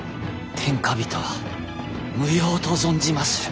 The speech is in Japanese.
天下人は無用と存じまする。